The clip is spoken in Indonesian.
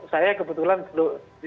saya kebetulan belum